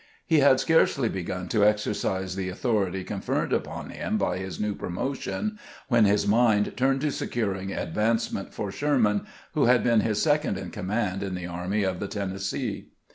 He had scarcely begun to exercise the authority con ferred upon him by his new promotion when his mind turned to securing advancement for Sherman, who had been his second in command in the Army of the Tennessee.